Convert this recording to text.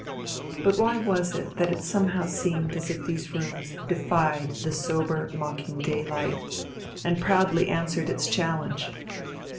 But why was it that it somehow seemed as if these rooms defied the sober, mocking daylight, and proudly answered its challenge?